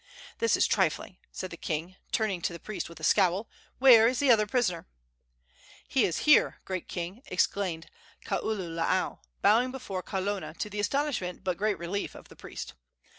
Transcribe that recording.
"This is trifling," said the king, turning to the priest with a scowl. "Where is the other prisoner?" "He is here, great king!" exclaimed Kaululaau, bowing before Kalona, to the astonishment but great relief of the priest.